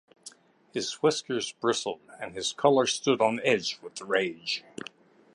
His whiskers bristled and his collar stood on end with rage.